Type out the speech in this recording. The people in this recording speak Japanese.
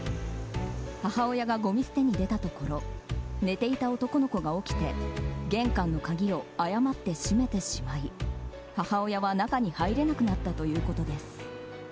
母親がごみ捨てに出たところ寝ていた男の子が起きて玄関の鍵を誤って閉めてしまい母親は、中に入れなくなったということです。